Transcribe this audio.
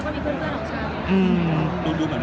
อ้าวฉันก็มีเพื่อนเหรอนะ